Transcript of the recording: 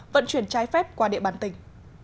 vận chuyển trái phép qua địa bàn tỉnh